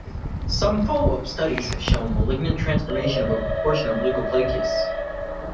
Some follow-up studies have shown malignant transformation of a proportion of leukoplakias.